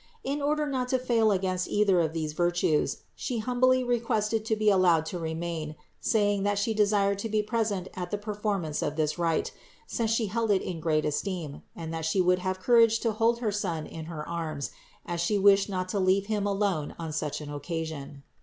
In order not to fail against either of these virtues, She humbly requested to be allowed to remain, saying that She desired to be present at the performance of this rite, since She held it in great esteem, and that She would have courage to hold her Son in her arms, as She wished not to leave Him alone on such an occasion.